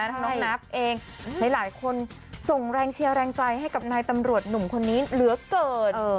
น้องนับเองหลายคนส่งแรงเชียร์แรงใจให้กับนายตำรวจหนุ่มคนนี้เหลือเกิน